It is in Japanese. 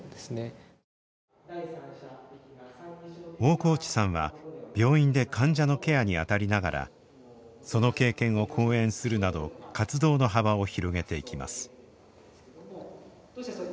大河内さんは病院で患者のケアに当たりながらその経験を講演するなど活動の幅を広げていきます。